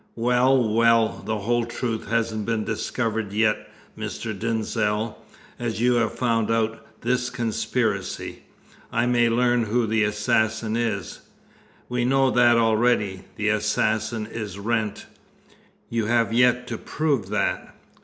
"Well, well, the whole truth hasn't been discovered yet, Mr. Denzil. As you have found out this conspiracy, I may learn who the assassin is." "We know that already. The assassin is Wrent." "You have yet to prove that."